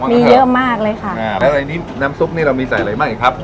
มีเยอะมากเลยค่ะอ่าแล้วในนี้น้ำซุปนี่เรามีใส่อะไรบ้างครับ